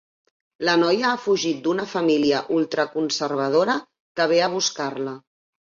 La noia ha fugit d'una família ultraconservadora que ve a buscar-la.